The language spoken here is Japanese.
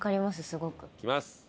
すごく。いきます。